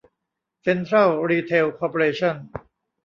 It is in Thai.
เซ็นทรัล รีเทล คอร์ปอเรชั่น